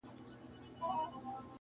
په سپینه ورځ غلو زخمي کړی تښتولی چنار-